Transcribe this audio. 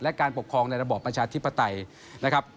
และการปกครองในระบอบประชาธิปไตยนะครับ